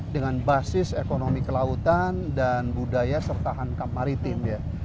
dengan basis ekonomi kelautan dan budaya serta hankam maritim